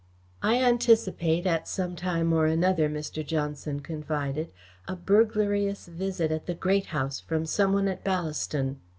"I anticipate at some time or another," Mr. Johnson confided, "a burglarious visit at the Great House from some one at Ballaston.